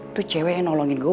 itu cewek nolongin gue